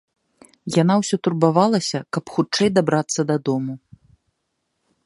Яна ўсё турбавалася, каб хутчэй дабрацца дадому.